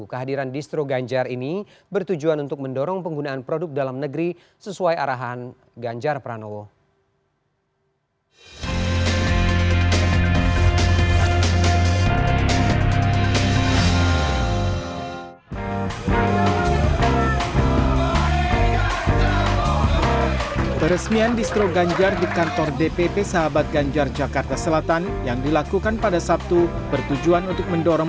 kehadiran distro ganjar ini bertujuan untuk mendorong penggunaan produk dalam negeri sesuai arahan ganjar pranowo